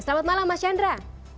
selamat malam mas chandra